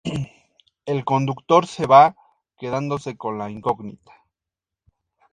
El Conductor se va, quedándose con la incógnita.